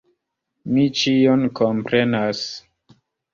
Mi ĉion komprenas.